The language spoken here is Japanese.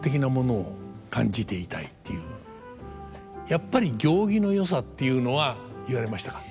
やっぱり行儀のよさっていうのは言われましたか？